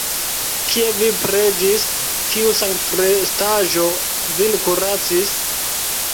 Kie vi preĝis, kiu sanktrestaĵo vin kuracis?